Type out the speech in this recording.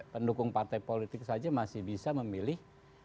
pendukung partai politik saja masih bisa memilih